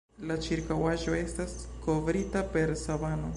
La ĉirkaŭaĵo estas kovrita per savano.